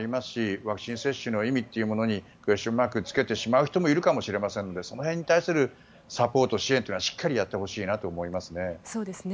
ワクチン接種の意味というものにクエスチョンマークをつけてしまう人もいるかもしれませんのでその辺に対するサポート支援というのはしっかりやってほしいと思います。